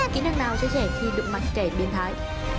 kỹ năng nào cho trẻ khi đụng mặt trẻ biến thái